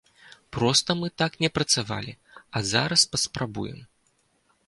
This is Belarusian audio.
Проста мы так не працавалі, а зараз паспрабуем.